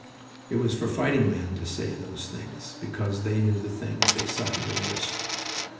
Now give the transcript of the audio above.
It was for fighting men to say those things, because they knew the things they suffered and risked.